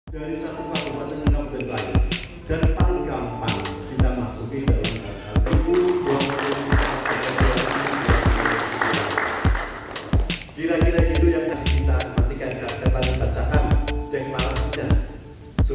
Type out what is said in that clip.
dari satu kabupaten menonggok dan paru paru kita masuk ke dalam kata kata